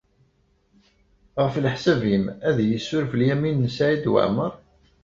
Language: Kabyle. Ɣef leḥsab-im, ad iyi-yessuref Lyamin n Saɛid Waɛmeṛ?